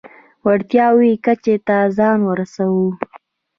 وړتیاوو کچه ته ځان ورسوو.